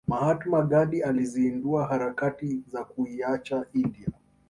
Mahatma Gandhi alizindua harakati za kuiacha india